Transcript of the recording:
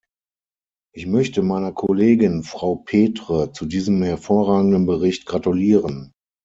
Ich möchte meiner Kollegin Frau Petre zu diesem hervorragenden Bericht gratulieren.